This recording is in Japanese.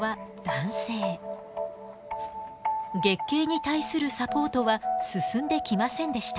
月経に対するサポートは進んできませんでした。